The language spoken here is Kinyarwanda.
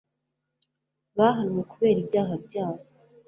bahanwe kubera ibyaha byabo